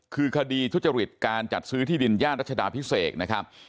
คือคดีทุจริตการจัดซื้อที่ดินย่านรัชดาพิเศษนะครับ